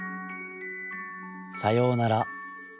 『さようなら』